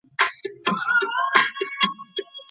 له قاتل سره د مال په مقابل کې سوله کيږي.